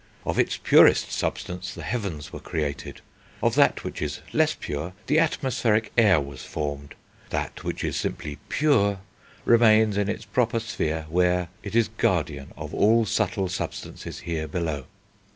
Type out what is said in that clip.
Of its purest substance the heavens were created; of that which is less pure the atmospheric air was formed; that which is simply pure remains in its proper sphere where ... it is guardian of all subtle substances here below."